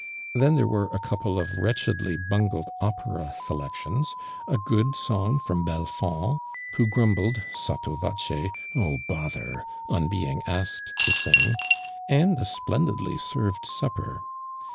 Then there were a couple of wretchedly bungled opera selections, a good song from Belfond, who grumbled, soito voce " oh bother !" on being asked to sing, and a splendidly served supper.